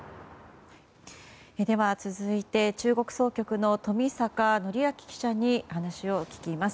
では、続いて中国総局の冨坂範明記者に話を聞きます。